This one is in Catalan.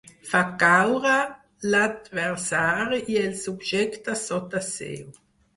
Fa caure l'adversari i el subjecta sota seu.